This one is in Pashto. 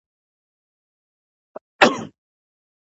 شمع د ښيښې ټوټې له پاسه کیږدئ.